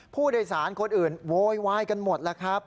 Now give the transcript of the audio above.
ผู้โดยสารคนอื่นโวยวายกันหมดแล้วครับ